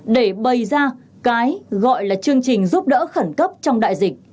để bày ra cái gọi là chương trình giúp đỡ khẩn cấp trong đại dịch